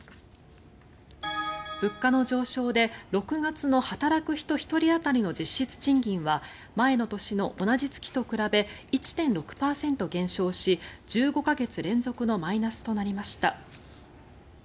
物価の上昇で、６月の働く人１人当たりの実質賃金は前の年の同じ月と比べ１．６％減少し１５か月連続のマイナスとなりました。